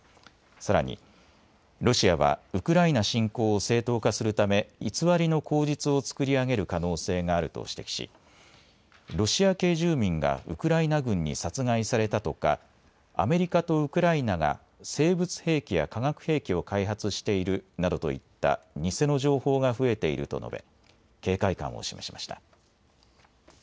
さらに、ロシアはウクライナ侵攻を正当化するため偽りの口実を作り上げる可能性があると指摘しロシア系住民がウクライナ軍に殺害されたとかアメリカとウクライナが生物兵器や化学兵器を開発しているなどといった偽の情報が増えていると述べ、警戒感を示しました。